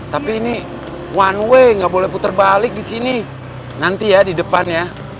tapi ini one way gak boleh puter balik disini nanti ya di depan ya